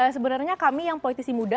sebenarnya kami yang politisi muda